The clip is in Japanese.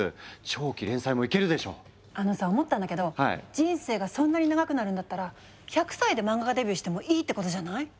人生がそんなに長くなるんだったら１００歳で漫画家デビューしてもいいってことじゃない？